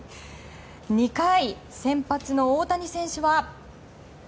２回先発の大谷選手は。